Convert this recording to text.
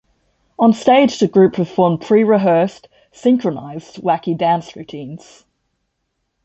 On stage the group performed pre-rehearsed, synchronised wacky dance routines.